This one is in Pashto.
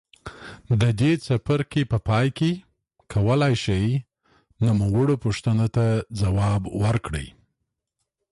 د دې څپرکي په پای کې کولای شئ نوموړو پوښتنو ته ځواب ورکړئ.